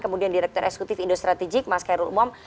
kemudian direktur eksekutif indo strategik mas khairul umam